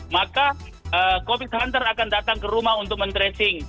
maka covid hunter akan datang ke rumah untuk mendressing